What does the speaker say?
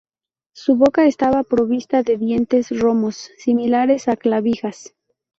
Su boca estaba provista de dientes romos, similares a clavijas.